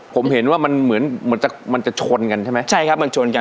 ผมเห็นว่ามันเหมือนเหมือนจะมันจะชนกันใช่ไหมใช่ครับมันชนกัน